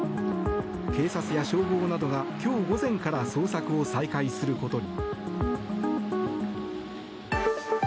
警察や消防などが、今日午前から捜索を再開することに。